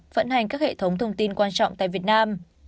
phận hành các hệ thống thông tin quan trọng tại việt nam